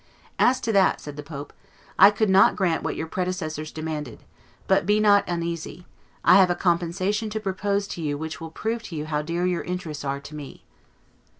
"As to that," said the pope, "I could not grant what your predecessors demanded; but be not uneasy; I have a compensation to propose to you which will prove to you how dear your interests are to me."